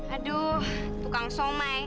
aduh tukang somai